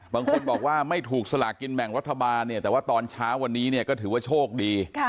บางคนบอกว่าไม่ถูกสลากินแบ่งรัฐบาลเนี่ยแต่ว่าตอนเช้าวันนี้เนี่ยก็ถือว่าโชคดี